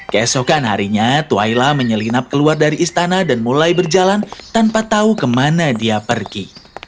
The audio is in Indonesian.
keesokan harinya twaila menyelinap keluar dari istana dan mulai berjalan tanpa tahu kemana dia pergi